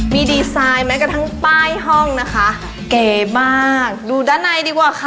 มีดีไซน์แม้กระทั่งป้ายห้องนะคะเก๋มากดูด้านในดีกว่าค่ะ